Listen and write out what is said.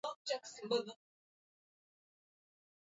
hivyo inatabiriwa kuwa atakufa mapema au kuishi maisha ya kimasikini